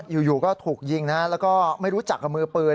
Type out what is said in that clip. อยู่ก็ถูกยิงนะแล้วก็ไม่รู้จักกับมือปืน